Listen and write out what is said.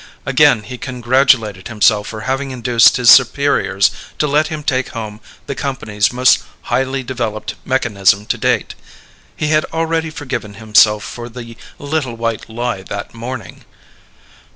Again he congratulated himself for having induced his superiors to let him take home the company's most highly developed mechanism to date. He had already forgiven himself for the little white lie that morning.